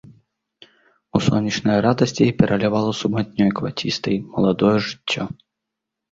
У сонечнай радасці пералівала сумятнёй квяцістай маладое жыццё.